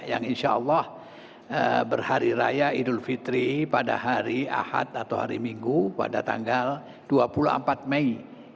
yang insya allah berhari raya idul fitri pada hari ahad atau hari minggu pada tanggal dua puluh empat mei